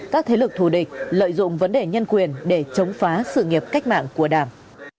các thế lực thù địch lợi dụng vấn đề nhân quyền để chống phá sự nghiệp cách mạng của đảng